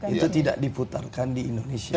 itu tidak diputarkan di indonesia